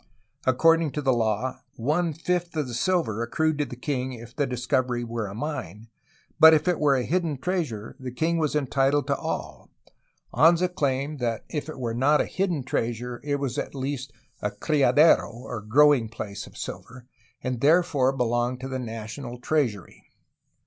According to law, one fifth of the silver accrued to the king if the discovery were a mine, but if it were a hidden treasure the king was entitled to all. Anza claimed that if it were not a hidden treasure, it was at least a ^^criadero/' or growing place, of silver, and therefore be longed to the national treasury.